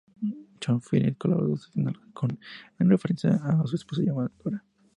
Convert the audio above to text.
John Philby un colaborador ocasional, en referencia a su esposa llamada Dora.